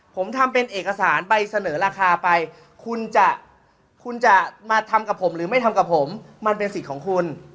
ผมทำเป็นเอกสารไปเสนอราคาไปคุณจะคุณจะมาทำกับผมหรือไม่ทำกับผมมันเป็นสิทธิ์ของคุณ